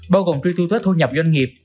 bao gồm truy thu thuế thu nhập doanh nghiệp